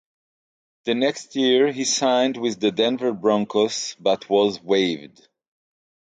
The next year he signed with the Denver Broncos but was waived.